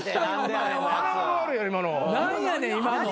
何やねん今の。